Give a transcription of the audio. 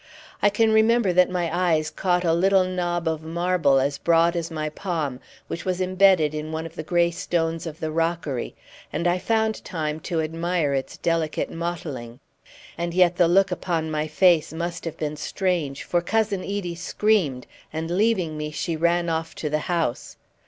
I can remember that my eyes caught a little knob of marble as broad as my palm, which was imbedded in one of the grey stones of the rockery, and I found time to admire its delicate mottling. And yet the look upon my face must have been strange, for Cousin Edie screamed, and leaving me she ran off to the house.